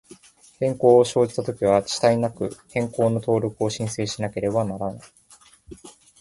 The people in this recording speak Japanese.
変更を生じたときは、遅滞なく、変更の登録を申請しなければならない。